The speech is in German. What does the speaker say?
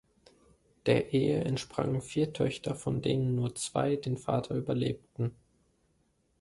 Der Ehe entsprangen vier Töchter, von denen nur zwei den Vater überlebten.